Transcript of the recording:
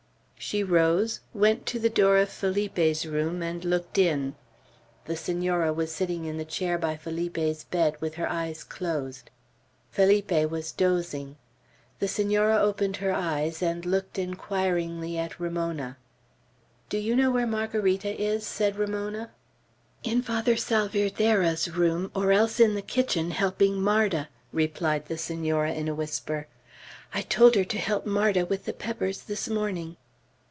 She rose, went to the door of Felipe's room, and looked in. The Senora was sitting in the chair by Felipe's bed, with her eyes closed. Felipe was dozing. The Senora opened her eyes, and looked inquiringly at Ramona. "Do you know where Margarita is?" said Ramona. "In Father Salvierderra's room, or else in the kitchen helping Marda," replied the Senora, in a whisper. "I told her to help Marda with the peppers this morning."